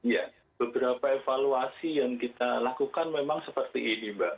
ya beberapa evaluasi yang kita lakukan memang seperti ini mbak